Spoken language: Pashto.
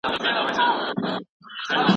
تاسو باید د مقالي لپاره یو ثابت چوکاټ ولرئ.